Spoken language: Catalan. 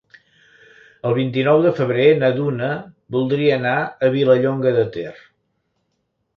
El vint-i-nou de febrer na Duna voldria anar a Vilallonga de Ter.